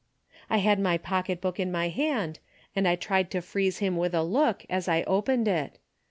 " I had my pocketbook in my hand, and I tried to freeze him with a look as I opened it.